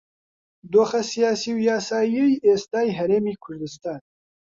دۆخە سیاسی و یاساییەی ئێستای هەرێمی کوردستان